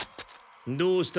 どうした？